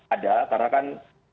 ada karena kan